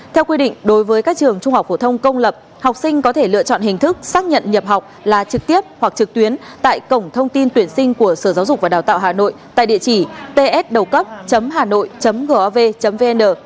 theo quy định đối với các trường trung học phổ thông công lập học sinh có thể lựa chọn hình thức xác nhận nhập học là trực tiếp hoặc trực tuyến tại cổng thông tin tuyển sinh của sở giáo dục và đào tạo hà nội tại địa chỉ ts đầu cấp hà nội gov vn